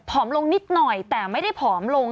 อมลงนิดหน่อยแต่ไม่ได้ผอมลง